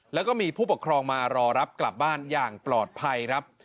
แล้วก็มีผู้ปกครองมารอรับกลับบ้านอย่างปลอดภัยครับ